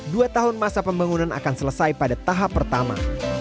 dua tahun masa pembangunan akan selesai pada tahap pertama